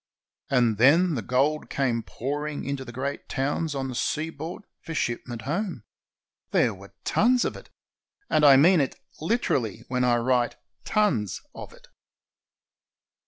And then the gold came pouring into the great towns on the seaboard for shipment home. There were tons of it. And I mean it, literally, when I write "tons of it."